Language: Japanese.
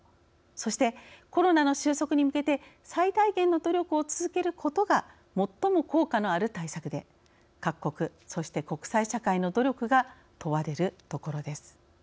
そして、コロナの収束に向けて最大限の努力を続けることが最も効果のある対策で各国、そして国際社会の努力が問われるところです。